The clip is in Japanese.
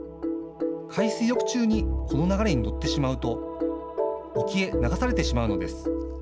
海水浴中にこの流れに乗ってしまうと沖へ流されてしまうのです。